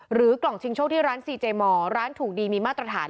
กล่องชิงโชคที่ร้านซีเจมอร์ร้านถูกดีมีมาตรฐาน